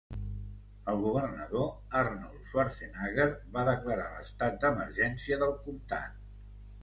El governador Arnold Schwarzenegger va declarar l'estat d'emergència del comtat.